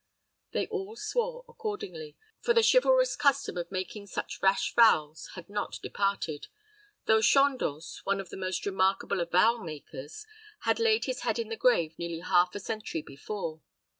They all swore accordingly; for the chivalrous custom of making such rash vows had not departed, though Chandos, one of the most remarkable of vow makers, had laid his head in the grave nearly half a century before.